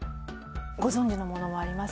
ご存じのものもあります？